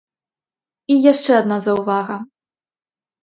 І яшчэ адна заўвага.